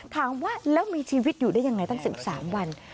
ถามว่าแล้วมีชีวิตอยู่ได้ยังไงตั้ง๑๓วัน